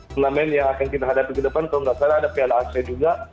pelamen yang akan kita hadapi di depan kalau tidak salah ada piala ac juga